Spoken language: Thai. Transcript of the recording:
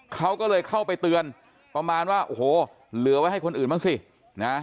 เขาก็เลยเข้าไปเตือนประมาณว่าโอ้โหเหลือไว้ให้คนอื่นบ้างสินะ